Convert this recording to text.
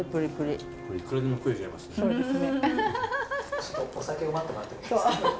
ちょっとお酒を待ってもらってもいいですか？